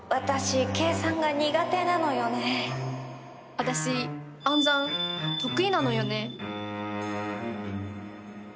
私暗算得意なのよね。